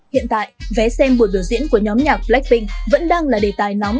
hiện tại vé xem buổi biểu diễn của nhóm nhạc blackpink vẫn đang là đề tài nóng